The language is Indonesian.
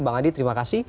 bang adi terima kasih